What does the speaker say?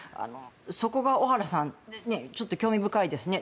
そこが小原さんちょっと興味深いですね。